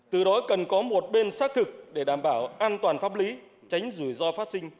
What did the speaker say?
từ đó cần có một bên xác thực để đảm bảo an toàn pháp lý tránh rủi ro phát sinh